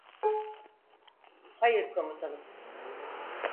Hayır komutanım.